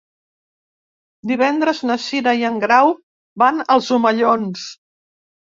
Divendres na Cira i en Grau van als Omellons.